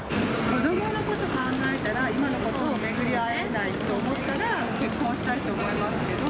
子どものこと考えたら、今の子と巡り合えないと思ったら、結婚したいと思いますけど。